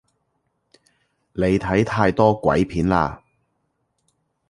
你睇太多鬼片喇